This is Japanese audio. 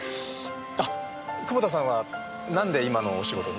あっ久保田さんはなんで今のお仕事に？